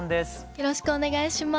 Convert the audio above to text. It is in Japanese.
よろしくお願いします。